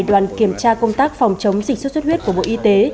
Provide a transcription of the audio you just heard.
đoàn kiểm tra công tác phòng chống dịch xuất xuất huyết của bộ y tế